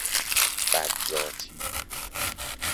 بد ذاتی